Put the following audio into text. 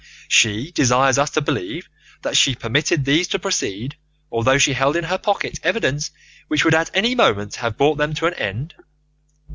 She desires us to believe that she permitted these to proceed, although she held in her pocket evidence which would at any moment have brought them to an end.